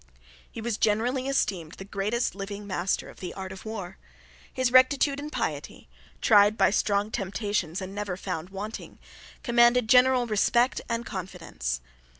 He was generally esteemed the greatest living master of the art of war. His rectitude and piety, tried by strong temptations and never found wanting, commanded general respect and confidence.